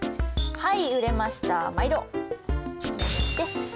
はい。